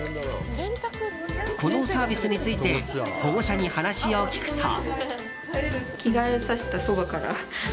このサービスについて保護者に話を聞くと。